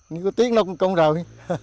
nếu có tiếc nó cũng không rời